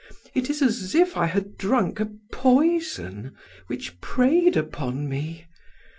It is as if I had drunk a poison which preyed upon me.